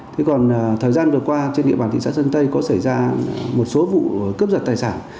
thế còn thời gian vừa qua trên địa bàn thị xã sơn tây có xảy ra một số vụ cướp giật tài sản